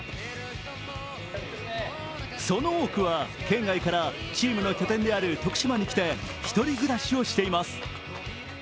その多くは県外からチームの拠点である徳島に来て１人暮らしをしています。